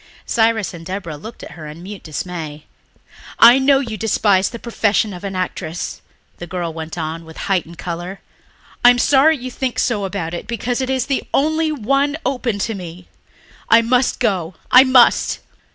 Cyrus and Deborah looked at her in mute dismay. "I know you despise the profession of an actress," the girl went on with heightened colour. "I am sorry you think so about it because it is the only one open to me. I must go ... I must."